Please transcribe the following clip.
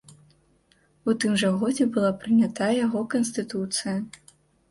У тым жа годзе была прынята яго канстытуцыя.